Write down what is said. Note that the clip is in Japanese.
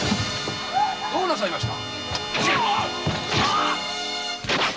どうなさいました？